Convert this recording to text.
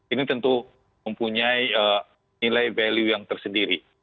ini tentu mempunyai nilai value yang tersendiri